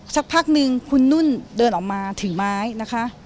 สักพักนึงคุณนุ่นเดินออกมาถือไม้นะคะ